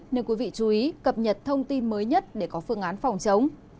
nên quý vị chú ý cập nhật thông tin mới nhất để có phương án phòng chống